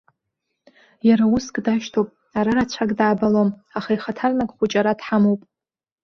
Иара уск дашьҭоуп, ара рацәак даабалом, аха ихаҭарнак хәыҷ ара дҳамоуп.